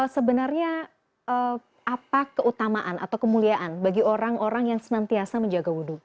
sebenarnya apa keutamaan atau kemuliaan bagi orang orang yang senantiasa menjaga wudhu